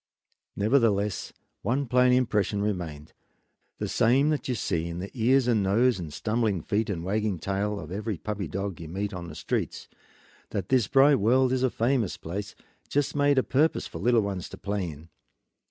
Nevertheless one plain impression remained, the same that you see in the ears and nose and stumbling feet and wagging tail of every puppy dog you meet on the streets, that this bright world is a famous place, just made a purpose for little ones to play in.